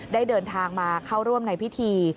ได้เดินทางมาเข้าร่วมในพิธี